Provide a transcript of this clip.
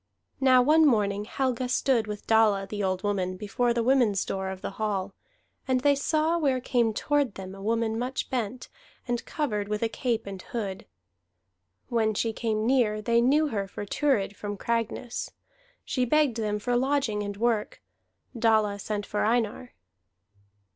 Now one morning Helga stood with Dalla the old woman before the women's door of the hall, and they saw where came toward them a woman much bent, and covered with a cape and hood; when she came near, they knew her for Thurid from Cragness. She begged them for lodging and work. Dalla sent for Einar.